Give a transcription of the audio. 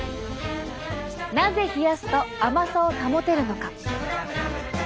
なぜ冷やすと甘さを保てるのか。